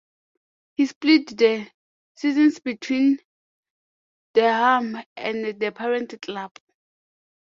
He split the - seasons between Durham and the parent club.